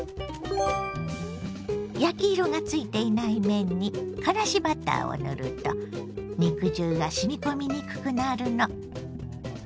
焼き色がついていない面にからしバターを塗ると肉汁がしみ込みにくくなるの。